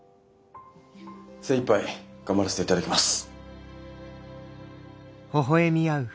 精いっぱい頑張らせていただきます！